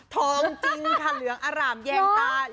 ทองจริงค่ะเหลืองอร่ามแยงตา